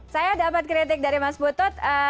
saya dapat kritik dari mas putut